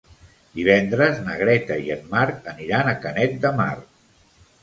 Divendres na Greta i en Marc aniran a Canet de Mar.